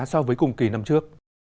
so với cùng kỳ năm trước